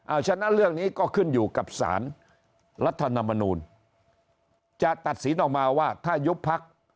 เอาฉะนั้นเรื่องนี้ก็ขึ้นอยู่กับสารรัฐธรรมนูลจะตัดสินออกมาว่าถ้ายุบพัก